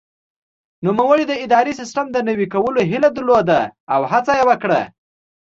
نوموړي د اداري سیسټم د نوي کولو هیله درلوده او هڅه یې وکړه.